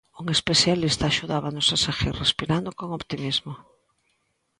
Un especialista axudábanos a seguir respirando con optimismo.